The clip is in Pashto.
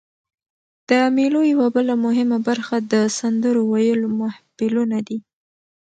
د مېلو یوه بله مهمه برخه د سندرو ویلو محفلونه دي.